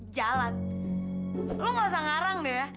jalan lo nggak usah ngarang deh